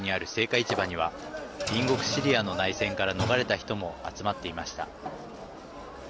市場には隣国シリアの内戦から逃れた人も集まっていました。